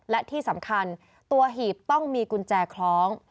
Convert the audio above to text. และที่สำคัญตัวหีบต้องมีกุญแจคล้อง